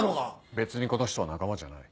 別にこの人は仲間じゃない。